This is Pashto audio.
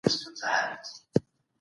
تفسیر د اياتونو ژوري مانا څرګندوي.